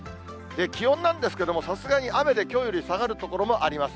気温なんですけれども、さすがに雨できょうより下がる所もあります。